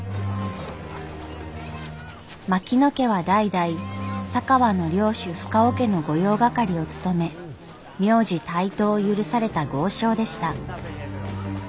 槙野家は代々佐川の領主深尾家の御用掛を務め名字帯刀を許された豪商でした。